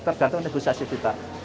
tergantung negosiasi kita